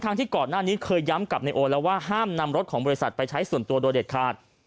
ที่ก่อนหน้านี้เคยย้ำกับนายโอแล้วว่าห้ามนำรถของบริษัทไปใช้ส่วนตัวโดยเด็ดขาด